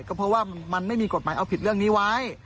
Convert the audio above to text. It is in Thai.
ก็เพราะว่ามันไม่มีกฎหมายเอาผิดเรื่องนี้ไว้